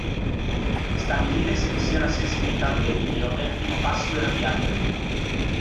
Stabilire se vi sia una sensibilità al berillio è il primo passo nella diagnosi.